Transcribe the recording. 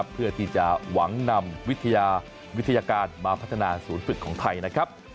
เพื่อที่จะหวังนำวิทยาวิทยาการมาพัฒนาศูนย์ฝึกของไทยนะครับ